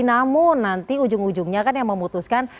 namun nanti ujung ujungnya kan yang memutuskan